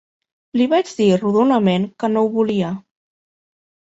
Li vaig dir rodonament que no ho volia.